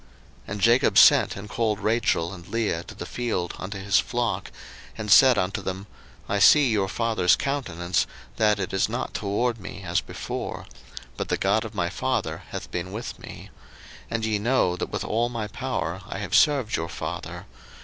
01:031:004 And Jacob sent and called Rachel and Leah to the field unto his flock, 01:031:005 And said unto them, I see your father's countenance, that it is not toward me as before; but the God of my father hath been with me. 01:031:006 And ye know that with all my power I have served your father.